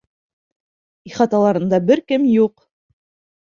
Ихаталарында бер кем юҡ.